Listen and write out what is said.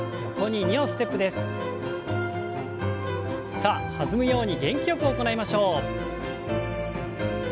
さあ弾むように元気よく行いましょう。